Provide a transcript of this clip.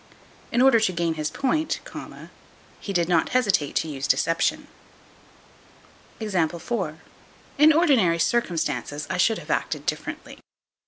In order to gain his point, he did not hesitate to use deception. In ordinary circumstances I should have acted differently.